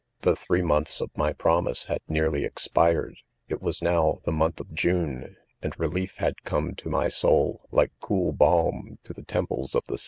The three months of my promise had nearly expired. It was now, the month of June, and relief had cemeSf my. soul, like cool halm to the temples of the.